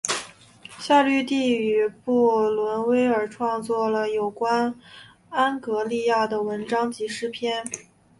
夏绿蒂与布伦威尔创作了有关安格利亚的文章及诗篇。